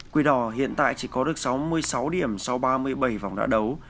quy đỏ hiện tại chỉ có được sáu mươi sáu điểm sau ba mươi bảy vòng đã đấu